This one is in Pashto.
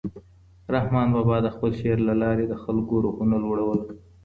رحمان بابا د خپل شعر له لارې د خلکو روحونه لوړول.